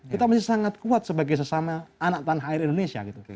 kita masih sangat kuat sebagai sesama anak tanah air indonesia gitu